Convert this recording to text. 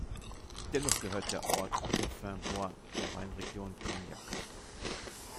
Dennoch gehört der Ort zu den "Fins Bois" der Weinregion Cognac.